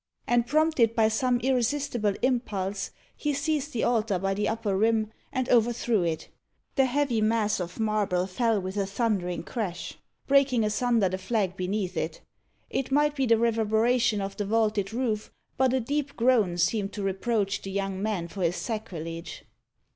And, prompted by some irresistible impulse, he seized the altar by the upper rim, and overthrew it. The heavy mass of marble fell with a thundering crash, breaking asunder the flag beneath it. It might be the reverberation of the vaulted roof, but a deep groan seemed to reproach the young man for his sacrilege.